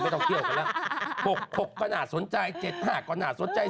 ไม่ต้องเที่ยวกันแล้วหกหกก็น่าสนใจเจ็ดห้ากก็น่าสนใจ